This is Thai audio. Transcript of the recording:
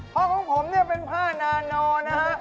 เพราะของผมเนี่ยเป็นผ้านาโนนะฮะ